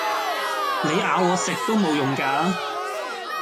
你咬我食都無用架